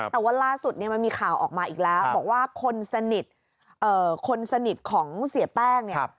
แต่ว่าร่าสุดมันมีข่าวออกมาอีกแล้วบอกว่าคนสนิทของเสียแป้ง